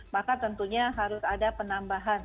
maka tentunya harus ada penambahan